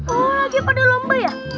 oh lagi pada lomba ya